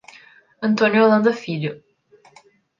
Antônio Holanda Filho